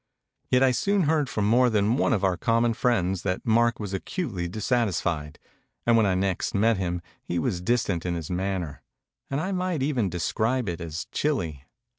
Yet I soon heard from more than one of our common friends that Mark was acutely dissatisfied; and when I next met him, he was distant in his manner, and I might even describe it as chilly.